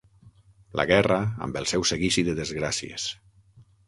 La guerra amb el seu seguici de desgràcies.